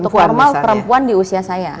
untuk normal perempuan di usia saya